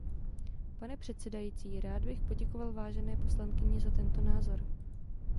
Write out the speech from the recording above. Pane předsedající, rád bych poděkoval vážené poslankyni za tento názor.